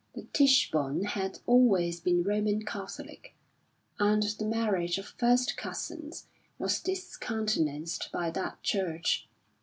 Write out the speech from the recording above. The Tichbornes had always been Roman Catholic, and the marriage of first cousins was discountenanced by that church.